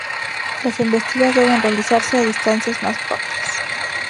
Las embestidas deben realizarse a distancias más cortas.